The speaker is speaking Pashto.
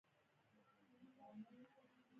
يوه خبره د ژغورلو لپاره غلی پاتې شي.